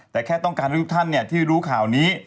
แต่แค่ต้องการให้ทุกท่านที่รู้ข่าวนี้